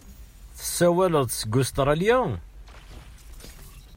Tessawaleḍ-d seg Ustṛalya?